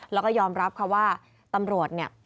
แล้วก็ยอมรับค่ะว่าตำรวจเนี่ย